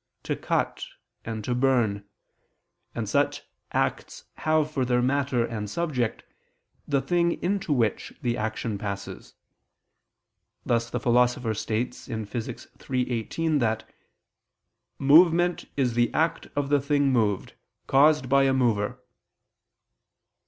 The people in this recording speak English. to cut and to burn: and such acts have for their matter and subject, the thing into which the action passes: thus the Philosopher states (Phys. iii, text. 18) that "movement is the act of the thing moved, caused by a mover."